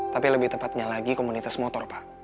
tapi lebih tepatnya lagi komunitas motor pak